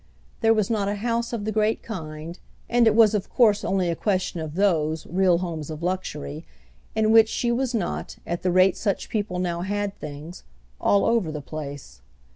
There was not a house of the great kind—and it was of course only a question of those, real homes of luxury—in which she was not, at the rate such people now had things, all over the place.